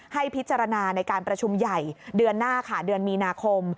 ให้พิจารณาในการประชุมใหญ่เดือนหน้าค่ะเดือนมีนาคม